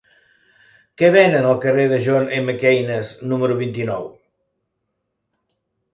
Què venen al carrer de John M. Keynes número vint-i-nou?